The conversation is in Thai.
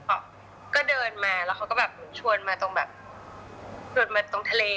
อ๋อโอ้ก็เดินมาแล้วก็แบบชวนมาตรงแบบสุดมาตรงทะเล